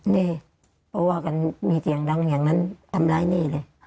นี่เพราะว่ากันมีเสียงดังอย่างนั้นทำร้ายนี่เลย